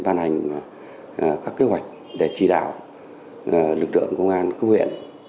ban hành các kế hoạch để trì đảo lực lượng công an cư huyện